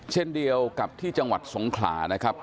เช่นเดียวกับที่จังหวัดสงขลานะครับ